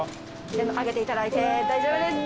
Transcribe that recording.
全部あげていただいて大丈夫です。